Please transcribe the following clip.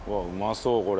そうこれ。